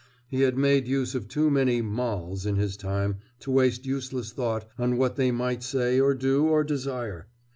He had made use of too many "molls" in his time to waste useless thought on what they might say or do or desire.